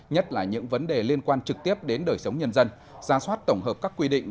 nhất là những vấn đề liên quan trực tiếp đến đời sống nhân dân ra soát tổng hợp các quy định